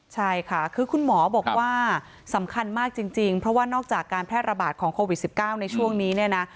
ใช่ค่ะคือคุณหมอบอกว่าสำคัญมากจริงเพราะว่านอกจากการแพร่ระบาดของโควิด๑๙ในช่วงนี้เนี่ยนะ